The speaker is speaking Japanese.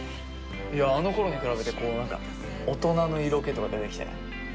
いやあのころに比べてこう何か大人の色気とか出てきてない？